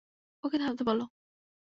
ওকে থামতে বলো!